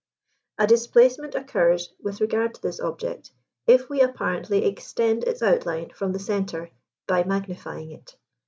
A displacement occurs with regard to this object, if we apparently extend its outline from the centre by magnifying it.